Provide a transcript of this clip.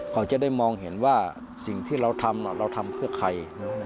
เขาจะได้มองเห็นว่าสิ่งที่เราทำเราทำเพื่อใคร